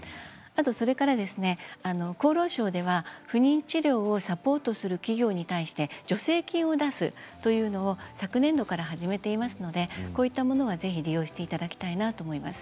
それから厚労省では不妊治療をサポートする企業に対して助成金を出すというのを昨年度から始めていますのでこういったものはぜひ利用していただきたいなと思います。